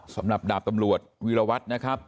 สำนับดาบตำรวจวีลวัสด์นะครับ